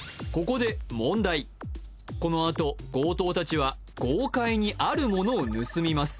このあと強盗達は豪快にあるものを盗みます